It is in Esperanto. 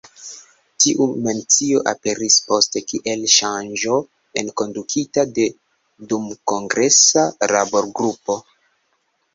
Tiu mencio aperis poste, kiel ŝanĝo enkondukita de dumkongresa laborgrupo.